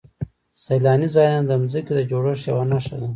سیلاني ځایونه د ځمکې د جوړښت یوه نښه ده.